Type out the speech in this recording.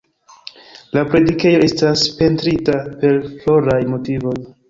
La predikejo estas pentrita per floraj motivoj.